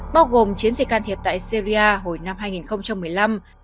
bao gồm chiến dịch can thiệp tại syria hồi năm hai nghìn một mươi năm